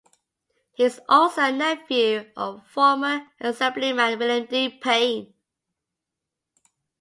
He is also a nephew of former Assemblyman William D. Payne.